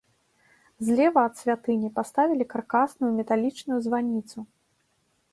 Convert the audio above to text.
Злева ад святыні паставілі каркасную металічную званіцу.